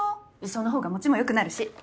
その方が持ちもよくなるし。